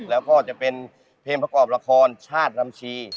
แล้วก็จะเป็นเพลงประกอบละครชาติลำชี